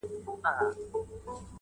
• چي زه راځمه خزان به تېر وي -